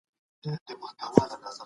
د دین توهین مه کوئ.